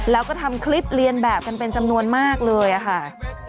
แล้วก็ทำคลิปเรียนแบบกันเป็นจำนวนมากเลยค่ะ